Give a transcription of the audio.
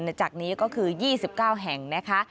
จากนี้ก็คือ๒๙แห่งนะคะ